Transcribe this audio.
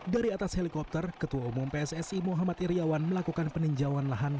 dari atas helikopter ketua umum pssi muhammad iryawan melakukan peninjauan lahan